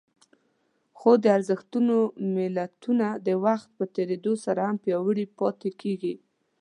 خو د ارزښتونو ملتونه د وخت په تېرېدو سره هم پياوړي پاتې کېږي.